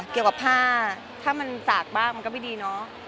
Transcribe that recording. เกี่ยวกับผ้าถ้ามันสากบ้างมันก็ไม่ดีเนาะ